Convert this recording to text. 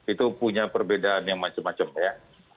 itu punya perbedaan yang macam macam ya